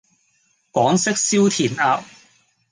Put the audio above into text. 廣式燒填鴨